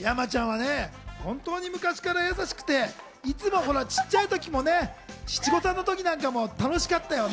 山ちゃんはね、本当に昔から優しくて、ちっちゃいときも七五三の時なんかも楽しかったよ。